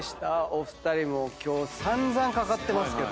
お二人今日散々かかってますけど。